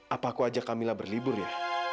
apa aku ajak kamila berlibur ya